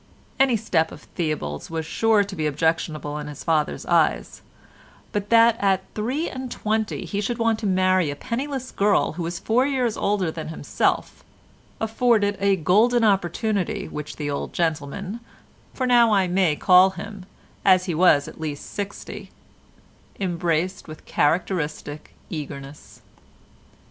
Any step of Theobald's was sure to be objectionable in his father's eyes, but that at three and twenty he should want to marry a penniless girl who was four years older than himself, afforded a golden opportunity which the old gentleman—for so I may now call him, as he was at least sixty—embraced with characteristic eagerness.